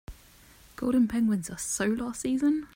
Golden penguins are so last season.